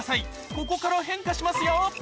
ここから変化しますよ